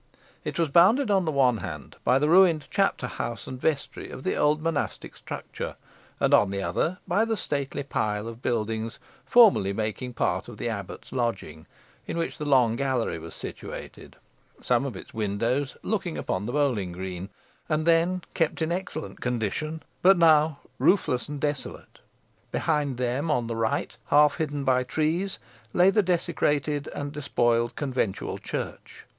It was bounded on the one hand by the ruined chapter house and vestry of the old monastic structure, and on the other by the stately pile of buildings formerly making part of the Abbot's lodging, in which the long gallery was situated, some of its windows looking upon the bowling green, and then kept in excellent condition, but now roofless and desolate. Behind them, on the right, half hidden by trees, lay the desecrated and despoiled conventual church.